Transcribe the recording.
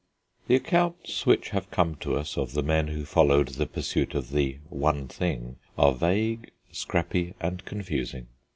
The accounts which have come to us of the men who followed the pursuit of the One Thing are vague, scrappy, and confusing.